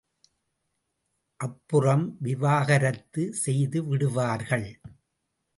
அப்புறம் விவாகரத்து செய்துவிடுவார்கள்.